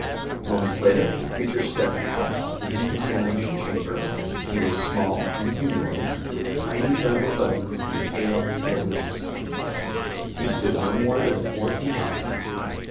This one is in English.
Moments later the creature stepped out of the decontamination chamber. He was small and humanoid, with tiny fragile bones and pale, hairless skin. He stood no more than four feet high.